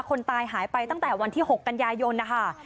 คนตายหายไปตั้งแต่วันที่๖กันยายนนะคะ